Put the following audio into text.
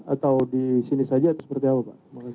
atau di sini saja atau seperti apa pak